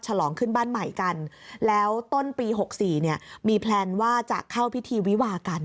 ฉลองขึ้นบ้านใหม่กันแล้วต้นปี๖๔เนี่ยมีแพลนว่าจะเข้าพิธีวิวากัน